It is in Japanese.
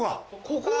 ここ？